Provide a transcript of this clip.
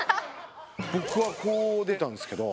僕はこう出たんですけど。